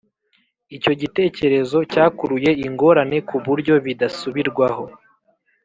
icyo gitekerezo cyakuruye ingorane ku buryo bidasubirwaho.